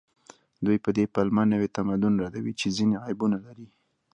دوی په دې پلمه نوي تمدن ردوي چې ځینې عیبونه لري